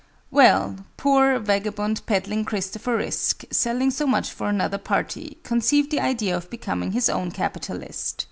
Well! poor, vagabond, peddling Christopher Risk, selling so much for another party, conceived the idea of becoming his own capitalist.